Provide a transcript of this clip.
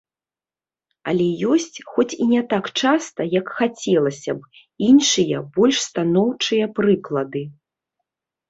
Але ёсць, хоць і не так часта, як хацелася б, іншыя, больш станоўчыя прыклады.